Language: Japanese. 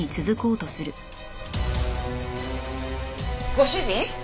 ご主人！